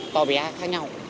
to bé khác nhau